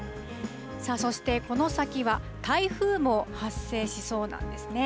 そして、この先は台風も発生しそうなんですね。